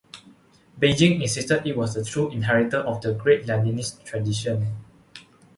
Beijing insisted it was the true inheritor of the great Leninist tradition.